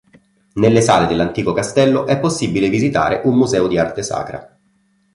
Nelle sale dell'antico castello è possibile visitare un museo di arte sacra.